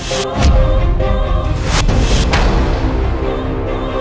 dewa temen aku